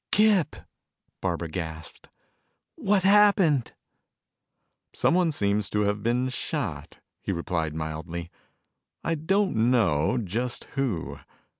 "Kip!" Barbara gasped. "What's happened?" "Someone seems to have been shot," he replied mildly. "I don't know just who."